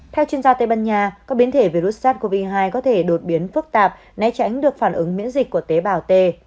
theo chuyên gia tây ban nha các biến thể virus sars cov hai có thể đột biến phức tạp né tránh được phản ứng miễn dịch của tế bào t